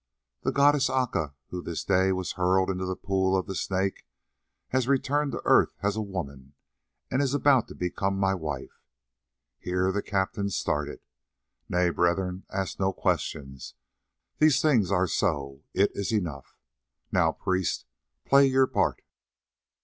The goddess Aca, who this day was hurled into the pool of the Snake, has returned to earth as a woman, and is about to become my wife,"—here the captains started—"nay, brethren, ask no questions; these things are so, it is enough. Now, priest, play your part."